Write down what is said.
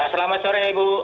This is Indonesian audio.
selamat sore ibu